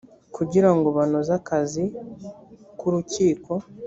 kugira ngo banoze akazi k’urukiko